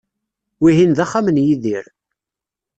Wihin d axxam n Yidir.